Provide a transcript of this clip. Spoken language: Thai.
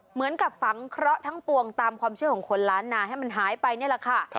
เหมือนกับฝังเคราะห์ทั้งปวงตามความเชื่อของคนล้านนาให้มันหายไปนี่แหละค่ะ